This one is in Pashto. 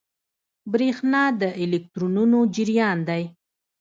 برېښنا د الکترونونو جریان دی.